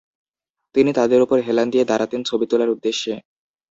তিনি তাদের উপর হেলান দিয়ে দাঁড়াতেন ছবি তোলার উদ্দেশ্যে।